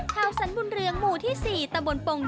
ชาวสรรบุญเรืองหมู่ที่๔ตะบนปง